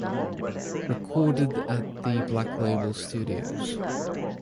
Recorded at The Black Label studios.